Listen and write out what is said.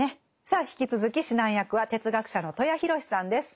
さあ引き続き指南役は哲学者の戸谷洋志さんです。